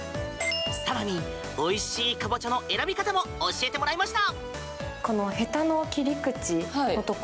更においしいカボチャの選び方も教えてもらいました。